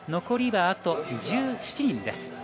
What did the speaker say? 残りはあと１７人です。